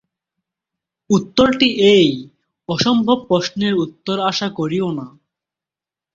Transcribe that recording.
উত্তরটি এই অসম্ভব প্রশ্নের উত্তর আশা করিও না।